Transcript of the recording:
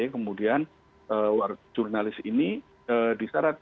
kemudian jurnalis ini diseratkan